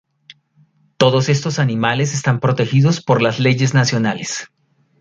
Todos estos animales están protegidos por leyes nacionales.